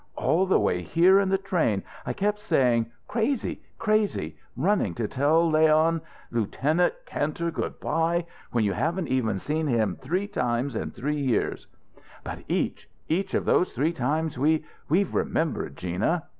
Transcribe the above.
"All the way here in the train, I kept saying crazy crazy running to tell Leon Lieutenant Kantor good bye when you haven't even seen him three times in three years " "But each each of those three times we we've remembered, Gina."